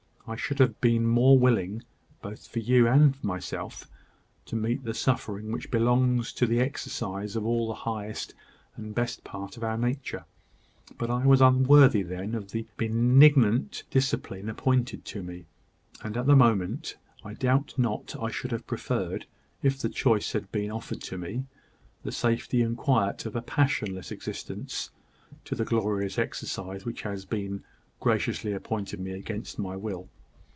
I should have been more willing, both for you and for myself, to meet the suffering which belongs to the exercise of all the highest and best part of our nature: but I was unworthy then of the benignant discipline appointed to me: and at the moment, I doubt not I should have preferred, if the choice had been offered to me, the safety and quiet of a passionless existence to the glorious exercise which has been graciously appointed me against my will.